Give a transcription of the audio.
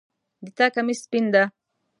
د تا کمیس سپین ده